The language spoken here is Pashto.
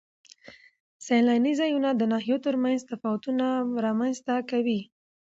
سیلاني ځایونه د ناحیو ترمنځ تفاوتونه رامنځ ته کوي.